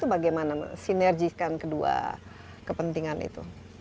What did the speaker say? bagaimana sinerjikan kedua kepentingan itu